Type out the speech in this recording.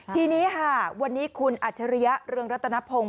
ทีนี้ค่ะวันนี้คุณอัจฉริยะเรืองรัตนพงศ